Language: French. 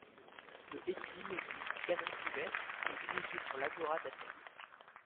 Le Pœcile est une galerie couverte et érigé sur l'Agora d'Athènes.